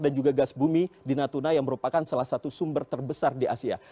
dan juga gas bumi di natuna yang merupakan salah satu sumber terbesar di asia